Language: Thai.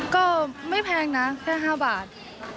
ก็ไม่แพงนะแค่๕บาท